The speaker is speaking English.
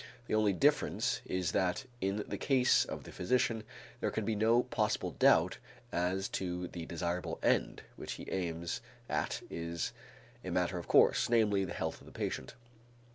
The only difference is that, in the case of the physician, there can be no possible doubt as to the desirable end; what he aims at is a matter of course, namely, the health of the patient.